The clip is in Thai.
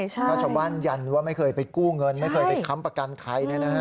ถ้าชาวบ้านยันว่าไม่เคยไปกู้เงินไม่เคยไปค้ำประกันใคร